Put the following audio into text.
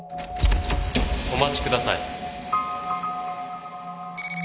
お待ちください。